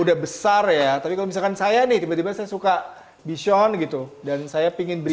udah besar ya tapi kalau misalkan saya nih tiba tiba saya suka bison gitu dan saya ingin beli